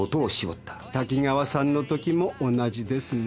滝川さんのときも同じですね？